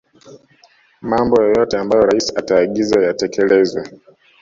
Mambo yoyote ambayo rais ataagiza yatekelezwe